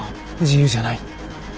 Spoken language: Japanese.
自由じゃない。